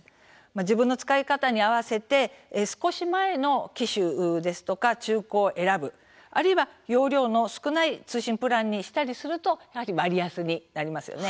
自分の使い方に合わせて少し前の機種ですとか中古を選ぶ、あるいは容量の少ない通信プランにしたりすると割安になりますよね。